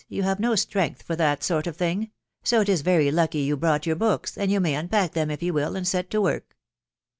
..• You have no strength for that sort of thing .... so it is very lucky you brought your books, and you may unpack them if you will, and set to work."